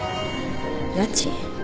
家賃？